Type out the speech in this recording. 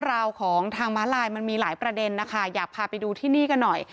ราวของทางม้าลายมันมีหลายประเด็นนะคะอยากพาไปดูที่นี่กันหน่อย